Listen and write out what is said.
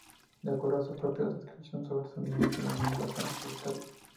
De acuerdo a su propia descripción sobre su niñez, era un niño bastante solitario.